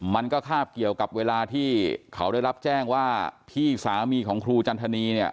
มันก็คาบเกี่ยวกับเวลาที่เขาได้รับแจ้งว่าพี่สามีของครูจันทนีเนี่ย